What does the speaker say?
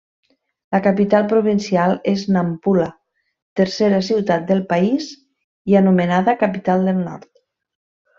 La capital provincial és Nampula, tercera ciutat del país i anomenada capital del nord.